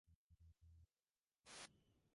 আমিও সেটা আশা করি।